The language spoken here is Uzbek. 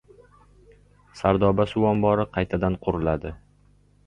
«Sardoba» suv omobori qaytadan quriladi